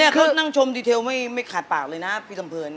นี่เขานั่งชมดีเทลไม่ขาดปากเลยนะพี่ลำเพลิน